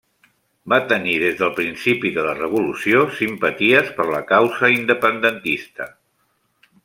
Va tenir des del principi de la revolució simpaties per la causa independentista.